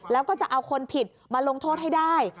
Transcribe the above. แล้วก็จะเอาคนผิดมาลงโทษให้ได้